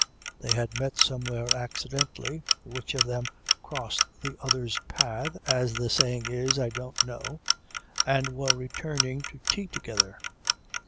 They had met somewhere accidentally (which of them crossed the other's path, as the saying is, I don't know), and were returning to tea together.